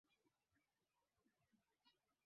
na ukubwa wa Kaya ni wastani wa watu wanne kwa Kaya